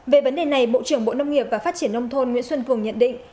về vấn đề này bộ trưởng bộ nông nghiệp và phát triển nông thôn nguyễn xuân cường nhận định